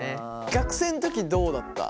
学生の時どうだった？